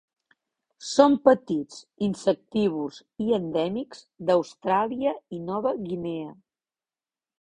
Són petits, insectívors i endèmics d'Austràlia i Nova Guinea.